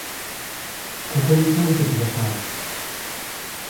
ここに書いてください